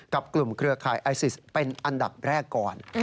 กับกลุ่มเครือข่ายไอซิสเป็นอันดับแรกก่อน